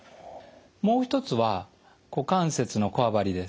もう一つは股関節のこわばりです。